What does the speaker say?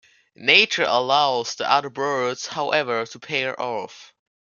Nature allows the other birds, however, to pair off.